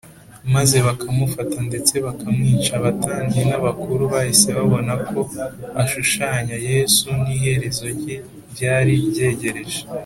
maze bakamufata ndetse bakamwica, abatambyi n’abakuru bahise babona ko ashushanya yesu n’iherezo rye ryari ryegereje